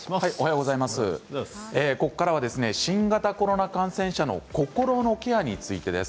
ここからは新型コロナ感染者の心のケアについてです。